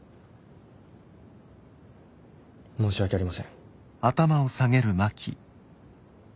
申し訳ありません。